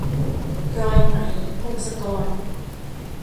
รอยไหม - พงศกร